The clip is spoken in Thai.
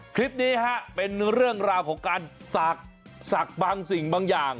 คลิปนี้ฮะเป็นเรื่องราวของการศักดิ์บางสิ่งบางอย่าง